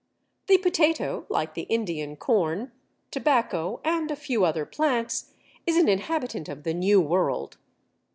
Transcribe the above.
The Potato, like the Indian corn, tobacco, and a few other plants, is an inhabitant of the New World.